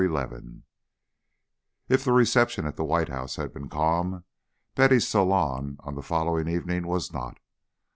XI If the reception at the White House had been calm, Betty's salon on the following evening was not.